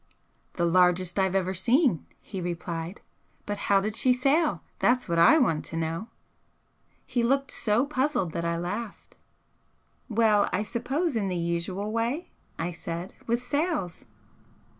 "The largest I've ever seen," he replied "But how did she sail? That's what I want to know!" He looked so puzzled that I laughed. "Well, I suppose in the usual way," I said "With sails."